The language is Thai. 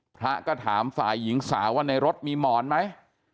พระก็ถามฝ่ายหญิงสาวว่าในรถมีหมอนไหม